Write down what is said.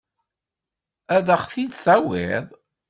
Ad ɣ-t-id-tawiḍ?